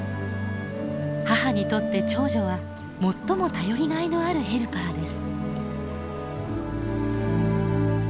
母にとって長女は最も頼りがいのあるヘルパーです。